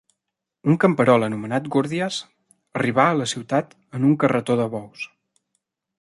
Un camperol anomenat Gordias arribà a la ciutat en un carretó de bous.